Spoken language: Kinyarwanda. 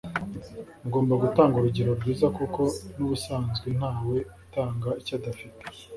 mugomba gutanga urugero rwiza kuko n’ubusanzwe ntawe utanga icyo adafite